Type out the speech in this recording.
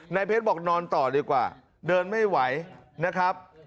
เพชรบอกนอนต่อดีกว่าเดินไม่ไหวนะครับ